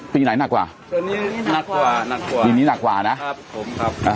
ปีไหนหนักกว่าปีนี้หนักกว่าหนักกว่าปีนี้หนักกว่านะครับผมครับอ่า